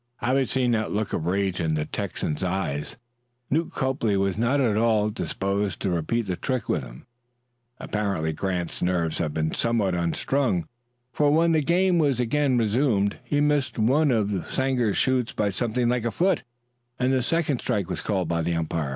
Having seen that look of rage in the Texan's eyes, Newt Copley was not at all disposed to repeat the trick with him. Apparently Grant's nerves had been somewhat unstrung, for when the game was again resumed he missed one of Sanger's shoots by something like a foot, and the second strike was called by the umpire.